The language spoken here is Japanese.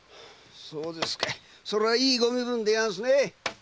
そうですかいそれはいいご身分でやんすね。